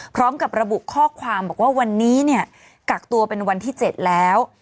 พร้อมกับระบุข้อความบอกว่าวันนี้เนี่ยกักตัวเป็นวันที่๗แล้ว